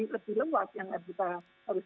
lebih lewat yang harus